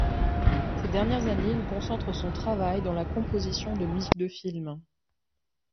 Ces dernières années, il concentre son travail dans la composition de musique de films.